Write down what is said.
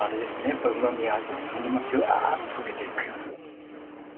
やっぱりうまみがあってそのままジュワーッと溶けていくような。